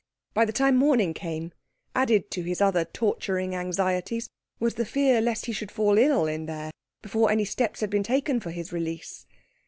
By the time morning came, added to his other torturing anxieties, was the fear lest he should fall ill in there before any steps had been taken for his release.